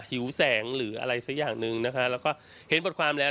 หิวแสงหรืออะไรสักอย่างหนึ่งนะคะแล้วก็เห็นบทความแล้ว